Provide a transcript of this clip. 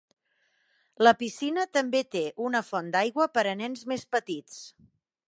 La piscina també té una font d'aigua per a nens més petits.